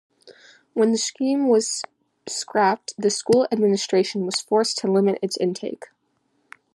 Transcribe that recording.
When the scheme was scrapped, the school administration was forced to limit its intake.